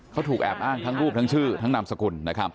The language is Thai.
เขาถูกแอบอ้างทั้งรูปทั้งชื่อทั้งนามสกุล